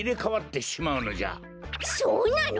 そうなの？